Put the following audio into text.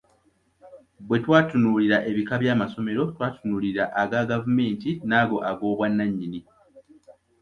Bwe twatunuulira ebika bya masomero twatunulira aga gavumenti n’ago ag’obwanannyini.